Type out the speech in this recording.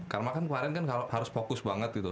karena kan kemarin kan harus fokus banget gitu